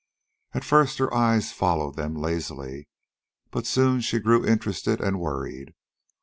At first her eyes followed them lazily, but soon she grew interested and worried.